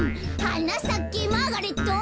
「はなさけマーガレット」